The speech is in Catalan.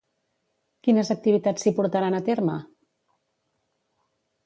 Quines activitats s'hi portaran a terme?